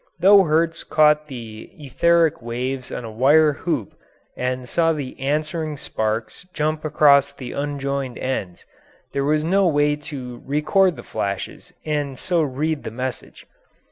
Though Hertz caught the etheric waves on a wire hoop and saw the answering sparks jump across the unjoined ends, there was no way to record the flashes and so read the message.